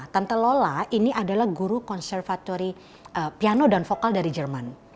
tante lola ini adalah guru konservatory piano dan vokal dari jerman